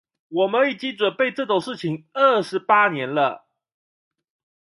我們已經準備這種事情二十八年了